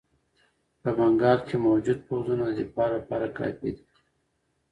په بنګال کې موجود پوځونه د دفاع لپاره کافي دي.